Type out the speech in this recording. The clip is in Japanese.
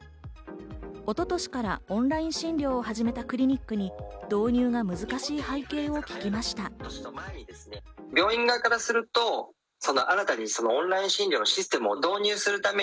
一昨年からオンライン診療を始めたクリニックに、導入が難しい背景を聞きました。